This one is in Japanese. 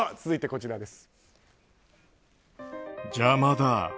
続いて、こちらです。